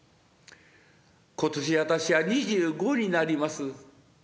今年私は２５になります。